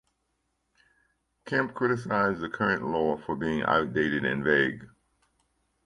Kemp criticized the current law for being outdated and vague.